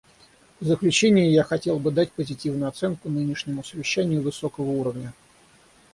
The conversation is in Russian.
В заключение я хотел бы дать позитивную оценку нынешнему совещанию высокого уровня.